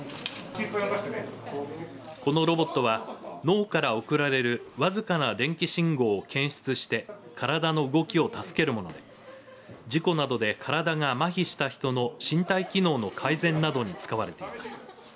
このロボットは脳から送られる僅かな電気信号を検出して体の動きを助けるもので事故などで体がまひした人の身体機能の改善などに使われています。